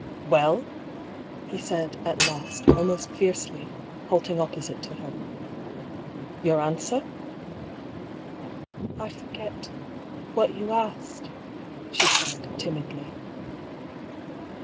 " Well ?" he said, at last, almost fiercely, halting op posite to her. " Your answer? "" I forget — what you asked," she said, timidly.